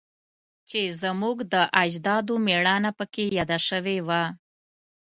چې زموږ د اجدادو میړانه پکې یاده شوی وه